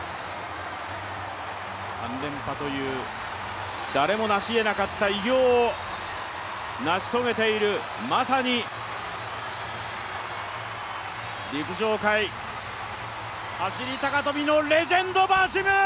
３連覇という誰もなしえなかった偉業を成し遂げているまさに陸上界走高跳のレジェンド、バーシム！